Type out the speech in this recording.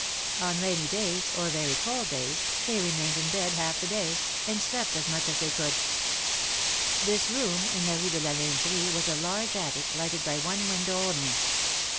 On rainy days, or very cold days, they remained in bed half the day, and slept as much as they could. This room in la Rue de la Lingerie was a large attic, lighted by one window only.